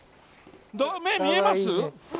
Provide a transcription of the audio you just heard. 見えます。